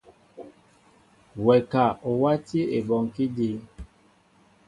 Wɛ ka o wátí ebɔŋkí dǐn.